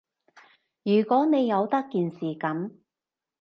如果你由得件事噉